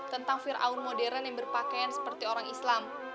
tentang fir'aun modern yang berpakaian seperti orang islam